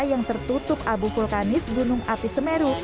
yang tertutup abu vulkanis gunung api semeru